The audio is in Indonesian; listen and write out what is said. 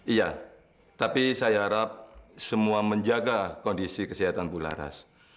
iya tapi saya harap semua menjaga kondisi kesehatan bularas